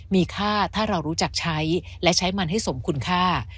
มีค่าถ้าเรารู้จักใช้และใช้มันให้สมคุณค่า